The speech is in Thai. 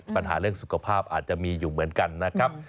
ปัญหาเรื่องสุขภาพอาจจะมีอยู่เหมือนกันนะครับ